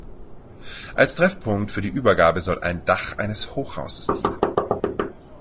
Als Treffpunkt für die Übergabe soll ein Dach eines Hochhauses dienen.